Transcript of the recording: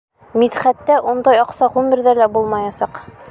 Мидхәттә ундай аҡса ғүмерҙә лә булмаясаҡ.